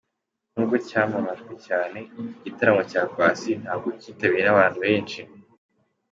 N’ubwo cyamamajwe cyane, iki gitaramo cya Paccy, ntabwo cyitabiriwe n’abantu benshi.